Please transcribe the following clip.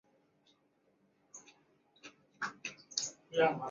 英里每小时。